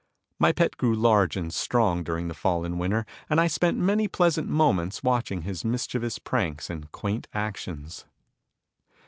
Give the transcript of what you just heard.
My pet grew large and strong during the fall and winter and I spent many pleasant moments watching his mischievous pranks and quaint actions.